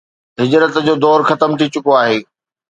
هجرت جو دور ختم ٿي چڪو آهي